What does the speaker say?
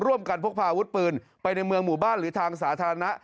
พกพาอาวุธปืนไปในเมืองหมู่บ้านหรือทางสาธารณะ